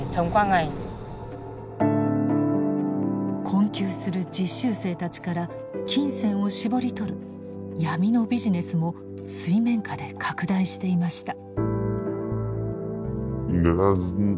困窮する実習生たちから金銭を搾り取る闇のビジネスも水面下で拡大していました。